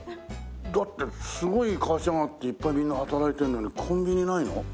だってすごい会社があっていっぱいみんな働いてるのにコンビニないの？